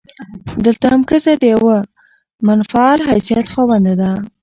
دلته هم ښځه د يوه منفعل حيثيت خاونده ده.